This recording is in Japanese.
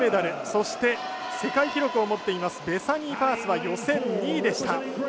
そして世界記録を持っていますベサニー・ファースは予選２位でした。